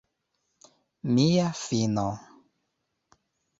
Mia fino!